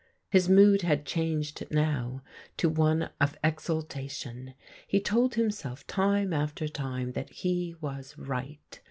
His mood had changed now to one of exultation. He told himself time after time that he was right.